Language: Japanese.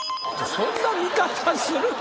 そんな見方する？